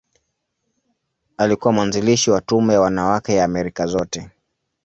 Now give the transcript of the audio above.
Alikuwa mwanzilishi wa Tume ya Wanawake ya Amerika Zote.